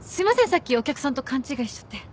さっきお客さんと勘違いしちゃって。